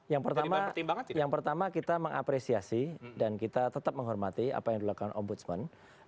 ya yang pertama kita mengapresiasi dan kita tetap menghormati apa yang dilakukan om budsman